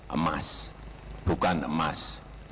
emas bukan emas